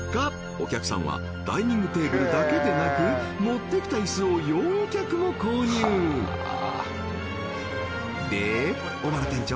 お客さんはダイニングテーブルだけでなく持ってきたイスを４脚も購入で小原店長